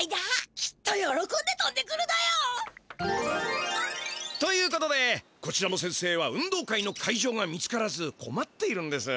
きっとよろこんでとんでくるだよ！ということでこちらの先生は運動会の会場が見つからずこまっているんです。